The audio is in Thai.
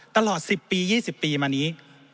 ตลอด๑๐ปี๒๐ปีมานี้